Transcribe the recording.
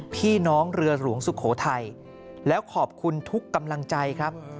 พี่น้องเรือหลวงสุโขทัยแล้วขอบคุณทุกกำลังใจครับ